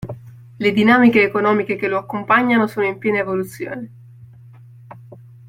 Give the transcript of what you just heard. Le dinamiche economiche che lo accompagnano sono in piena evoluzione.